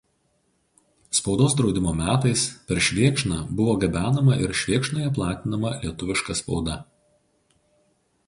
Spaudos draudimo metais per Švėkšną buvo gabenama ir Švėkšnoje platinama lietuviška spauda.